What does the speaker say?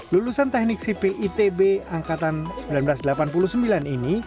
lulusan teknik sipil itb angkatan seribu sembilan ratus delapan puluh sembilan ini